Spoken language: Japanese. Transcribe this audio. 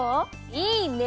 いいね！